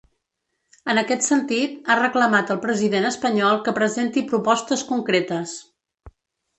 En aquest sentit, ha reclamat al president espanyol que presenti propostes concretes.